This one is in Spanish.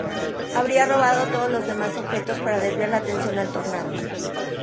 Habría robado todos los demás objetos para desviar la atención al Tornado.